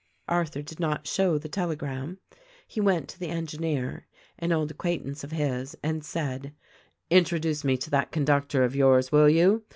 Arthur did not show the telegram. He went to the engi neer — an old acquaintance of his — and said: "Introduce me to that conductor of yours, will you.